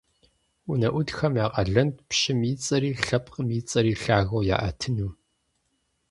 УнэӀутхэм я къалэнт пщым и цӀэри, лъэпкъым и цӀэри лъагэу яӀэтыну.